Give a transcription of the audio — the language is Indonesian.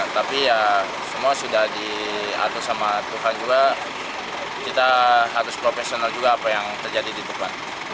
tapi ya semua sudah diatur sama tuhan juga kita harus profesional juga apa yang terjadi di depan